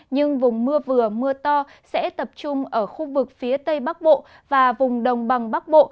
nhưng vùng mưa vừa mưa to sẽ tập trung ở khu vực phía tây bắc bộ và vùng đồng bằng bắc bộ